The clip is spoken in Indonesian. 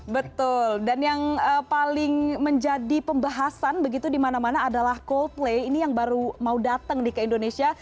betul dan yang paling menjadi pembahasan begitu di mana mana adalah coldplay ini yang baru mau datang nih ke indonesia